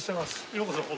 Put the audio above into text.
ようこそ。